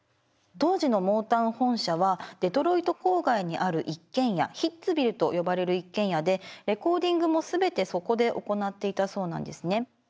当時のモータウン本社はデトロイト郊外にある一軒家ヒッツヴィルと呼ばれる一軒家でレコーディングも全てそこで行っていたそうなんですね。